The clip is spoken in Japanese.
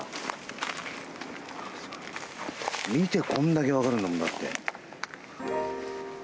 見て、これだけ分かるんだもん。